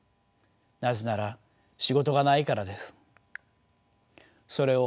なぜなら仕事がないからです。